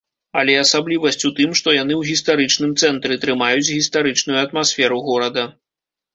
Але асаблівасць у тым, што яны ў гістарычным цэнтры, трымаюць гістарычную атмасферу горада.